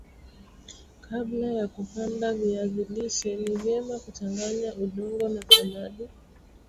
kabla ya kupada viazi lishe ni vyema kuchanganya udongo na samadi